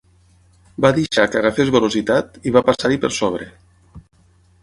Va deixar que agafés velocitat i va passar-hi per sobre.